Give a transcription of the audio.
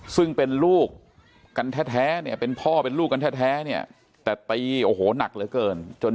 ซึ่งเป็นพ่อกันแท้เนี่ยแต่ตีโอ้โหหนักเหลือเกิน